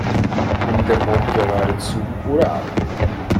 Nimmt der Mond gerade zu oder ab?